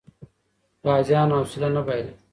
غازیانو حوصله نه بایله.